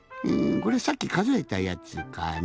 これさっきかぞえたやつかな？